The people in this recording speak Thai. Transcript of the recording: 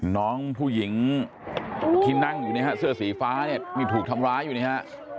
น้องผู้หญิงที่นั่งอยู่นะฮะเสื้อสีฟ้านี้มีถูกทำร้าอยู่นะฮะ